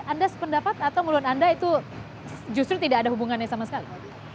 anda sependapat atau menurut anda itu justru tidak ada hubungannya sama sekali